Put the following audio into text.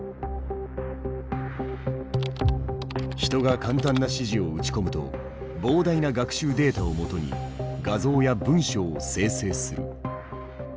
人が簡単な指示を打ち込むと膨大な学習データをもとに画像や文章を生成する。